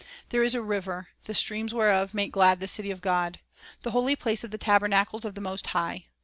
"There is a river, the streams whereof make glad the city of God, The holy place of the tabernacles of the Most High.